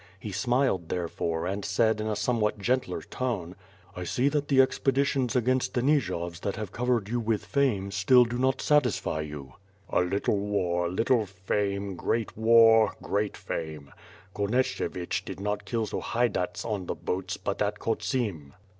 He smiled therefore and said in a somewhat gentler tone: *T see that the expeditions against the Nijovs that have covered you with fame, still do not satisfy you." 58 ^ITH FIRE AND SWORD. "A little war, little fame, great war, great fame. Konas chevitz did not kill Sohaydatz on the boats but at Khotsim."